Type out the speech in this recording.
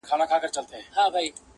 • کله دي زړه ته دا هم تیریږي؟ -